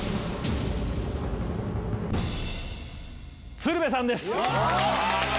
鶴瓶さんです。